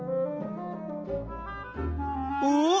お？